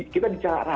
kita dicara rasa